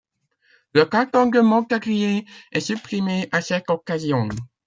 Le canton de Montagrier est supprimé à cette occasion.